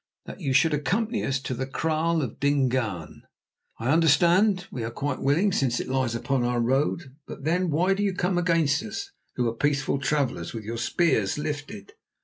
"That you should accompany us to the kraal of Dingaan." "I understand. We are quite willing, since it lies upon our road. But then why do you come against us, who are peaceful travellers, with your spears lifted?"